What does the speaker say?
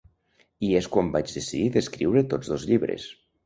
I és quan vaig decidir d’escriure tots dos llibres.